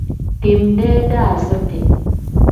Time-dee daaziti.